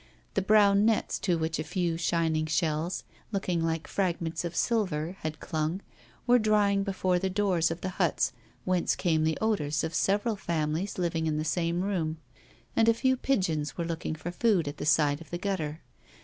The brown nets to which a few shining shells, looking like fragments of silver, had clung, were drying before the doors of the huts whence came the odours of several families living in the same room, and a few pigeons were looking for food at the side of the gutter.